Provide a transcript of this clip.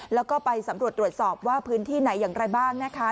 แล้วก็ไปสำรวจตรวจสอบว่าพื้นที่ไหนอย่างไรบ้างนะคะ